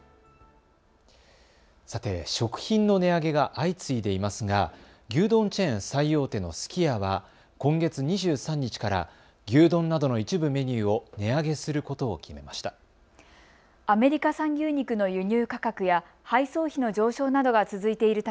さて食品の値上げが相次いでいますが牛丼チェーン最大手のすき家は今月２３日から牛丼などの一部メニューを値上げすることを決めました。